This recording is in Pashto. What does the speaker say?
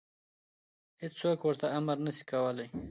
هېڅوک ورته امر نشي کولی.